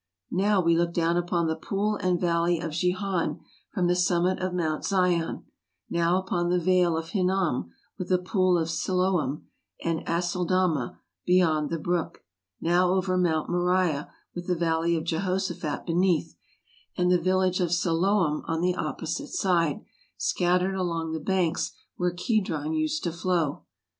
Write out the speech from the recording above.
Now we look down upon the Pool and Valley of Gihon from the summit of Mount Zion; now upon the Vale of Hinnom, with the Pool of Siloam, and Aceldama beyond the brook; now over Mount Moriah, with the Valley of Jehoshaphat beneath, and the village of Siloam on the opposite side, scattered along the banks where Ke dron used to flow.